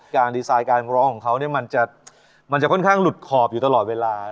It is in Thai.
ดีไซน์การร้องของเขาเนี่ยมันจะค่อนข้างหลุดขอบอยู่ตลอดเวลา